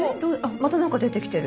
また何か出てきてる。